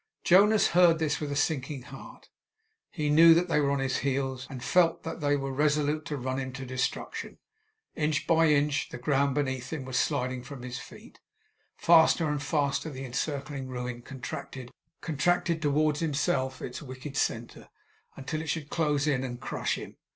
Jonas heard this with a sinking heart. He knew that they were on his heels, and felt that they were resolute to run him to destruction. Inch by inch the ground beneath him was sliding from his feet; faster and faster the encircling ruin contracted and contracted towards himself, its wicked centre, until it should close in and crush him.